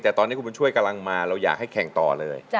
แต่ตอนนี้คุณบุญช่วยกำลังมาเราอยากให้แข่งต่อเลย